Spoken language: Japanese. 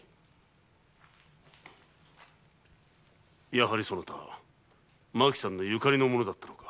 やはりそなた麻紀さんのゆかりの者だったのか。